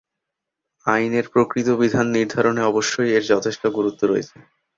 আইনের প্রকৃত বিধান নির্ধারণে অবশ্যই এর যথেষ্ট গুরুত্ব রয়েছে।